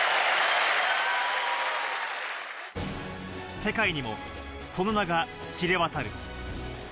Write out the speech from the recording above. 世界にもその名が知れ渡る。